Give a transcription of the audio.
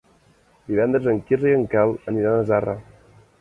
Divendres en Quirze i en Quel aniran a Zarra.